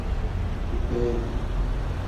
بېل